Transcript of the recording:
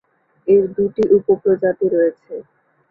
এর দুইটি উপপ্রজাতি রয়েছে।